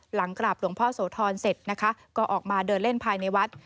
หลังกราบหลวงพ่อโสธรเสร็จนะคะก็ออกมาเดินเล่นภายในวัด